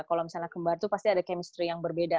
kalau misalnya kembar itu pasti ada chemistry yang berbeda